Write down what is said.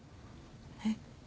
えっ？